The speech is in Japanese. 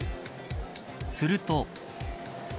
すると。